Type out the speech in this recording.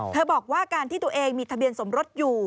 บอกว่าการที่ตัวเองมีทะเบียนสมรสอยู่